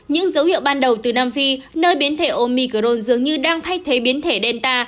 những dấu hiệu ban đầu từ nam phi nơi biến thể omicron dường như đang thay thế biến thể delta